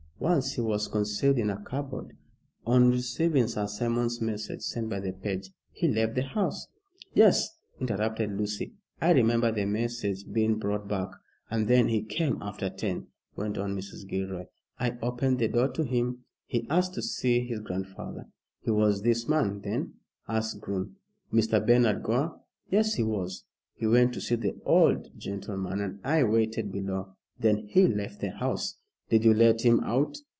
Once he was concealed in a cupboard. On receiving Sir Simon's message sent by the page, he left the house " "Yes," interrupted Lucy. "I remember the message being brought back." "And then he came after ten," went on Mrs. Gilroy. "I opened the door to him. He asked to see his grandfather." "He was this man, then?" asked Groom. "Mr. Bernard Gore? Yes, he was. He went to see the old gentleman, and I waited below. Then he left the house " "Did you let him out?"